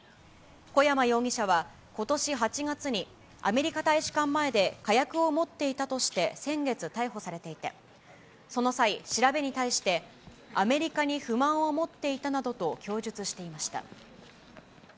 小山容疑者はことし８月に、アメリカ大使館前で火薬を持っていたとして先月、逮捕されていて、その際、調べに対して、アメリカに不満を持っていたなどと供述していました。